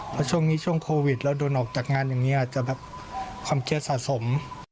เพราะช่วงนี้ช่วงโควิดแล้วโดนออกจากงานอย่างนี้อาจจะแบบความเครียดสะสม